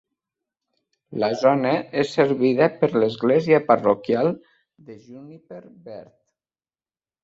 La zona és servida per l'església parroquial de Juniper verd.